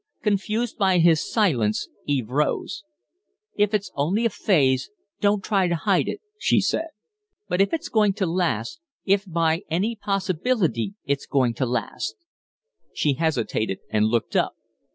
Confused by his silence, Eve rose. "If it's only a phase, don't try to hide it," she said. "But if it's going to last if by any possibility it's going to last " She hesitated and looked up.